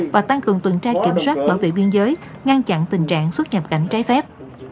và tăng cường tuần tra kiểm soát bảo vệ biên giới ngăn chặn tình trạng xuất nhập cảnh trái phép